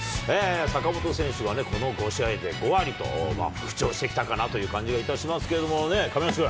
坂本選手はね、この５試合で５割と復調してきたかなという感じがいたしましたけれども、亀梨君。